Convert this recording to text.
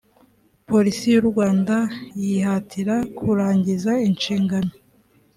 polisi y u rwanda yihatira kurangiza inshingano